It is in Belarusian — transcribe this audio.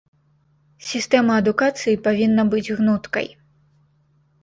Сістэма адукацыі павінна быць гнуткай.